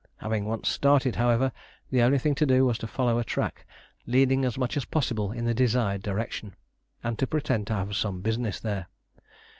Having once started, however, the only thing to do was to follow a track leading as much as possible in the desired direction, and to pretend to have some business there.